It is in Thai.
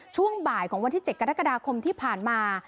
ช่วงบ่ายของวันที่๗กรกฎาคมที่ผ่านมา